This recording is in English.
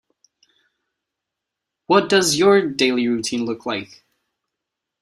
What does your daily routine look like?